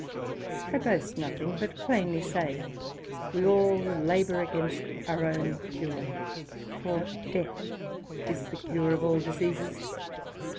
I boast nothing, but plainly say, we all labour against our own cure; for death is the cure of all diseases.